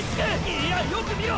いやよく見ろ！！